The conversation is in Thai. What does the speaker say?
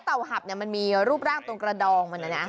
เต่าหับมันมีรูปร่างตรงกระดองมันนี่